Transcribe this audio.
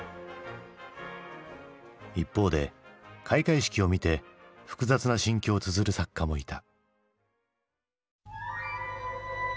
一方で開会式を見て複雑な心境をつづる作家もいた。